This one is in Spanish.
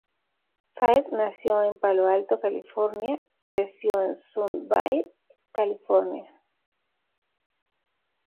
Fire nació en Palo Alto, California y creció en Sunnyvale, California.